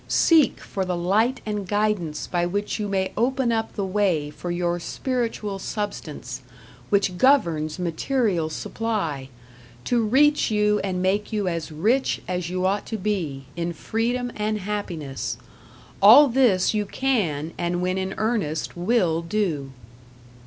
Seek for the Light and Guidance by which you may open up the way for your Spiritual Substance, which governs material supply, to reach you and make you as rich as you ought to be, in freedom and happiness. All this you can, and when in earnest, will do.